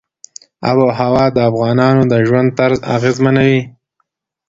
آب وهوا د افغانانو د ژوند طرز اغېزمنوي.